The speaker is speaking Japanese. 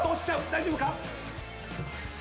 大丈夫か？